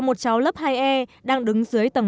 một cháu lớp hai e đang đứng dưới tầng